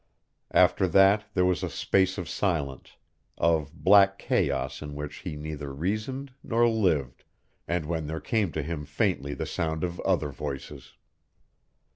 After that there was a space of silence, of black chaos in which he neither reasoned nor lived, and when there came to him faintly the sound of other voices.